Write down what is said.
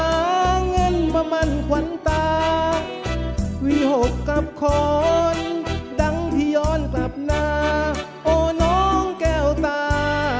หาเงินมามั่นขวัญตาวิหกกับคนดังที่ย้อนกลับมาโอ้น้องแก้วตา